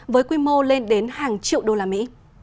với quy mô lên đến hàng triệu đô la mỹ